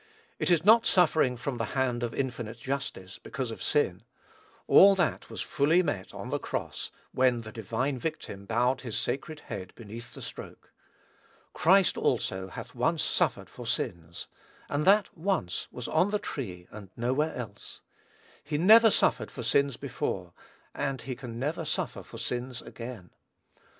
It is not suffering from the hand of infinite justice, because of sin; all that was fully met on the cross, when the divine Victim bowed his sacred head beneath the stroke. "Christ also hath once suffered for sins," and that "once," was on the tree and nowhere else. He never suffered for sins before, and he never can suffer for sins again.